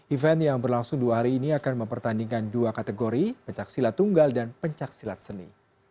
event yang berlangsung dua hari ini akan mempertandingkan dua kategori pencaksilat tunggal dan pencaksilat seni